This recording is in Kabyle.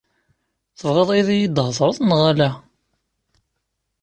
Tebɣiḍ ad iyi-d-hedreḍ, neɣ ala?